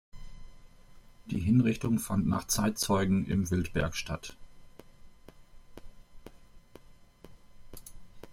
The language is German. Die Hinrichtung fand nach Zeitzeugen im Wildberg statt.